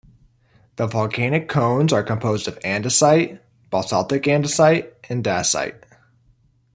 The volcanic cones are composed of andesite, basaltic andesite and dacite.